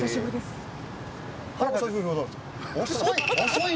遅い。